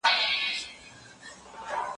زه مخکي تکړښت کړي وو.